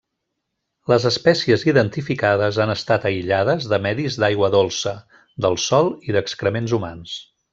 Les espècies identificades han estat aïllades de medis d'aigua dolça, del sòl i d'excrements humans.